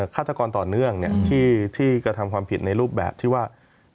ฆาตกรต่อเนื่องที่กระทำความผิดในรูปแบบที่ว่า